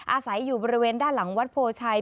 อาศัยอยู่บริเวณด้านหลังวัดโพชัย